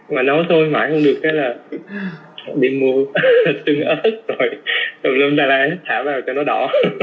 mà nói thôi mãi không được thế là đi mua xương ớt rồi lâm lâm la la thả vào cho nó đỏ